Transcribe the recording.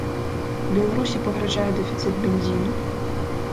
Беларусі пагражае дэфіцыт бензіну?